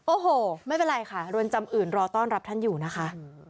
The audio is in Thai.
โอ้โหไม่เป็นไรค่ะเรือนจำอื่นรอต้อนรับท่านอยู่นะคะ